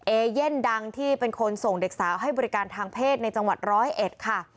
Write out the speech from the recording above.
เอเย่นดังที่เป็นคนส่งเด็กสาวให้บริการทางเพศในจังหวัดร้อยเอ็ดค่ะ